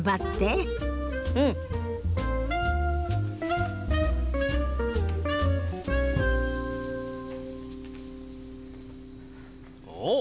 うん！おっ！